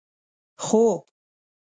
خوب